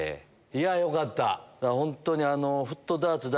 いやよかった。